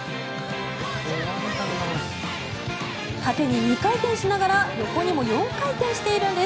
縦に２回転しながら横にも４回転しているんです。